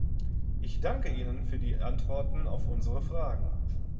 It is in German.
Ich danke Ihnen für die Antworten auf unsere Fragen.